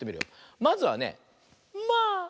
まずはね「まあ！」。